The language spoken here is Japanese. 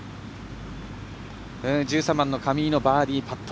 １３番の上井のバーディーパット。